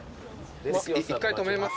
１回止めます？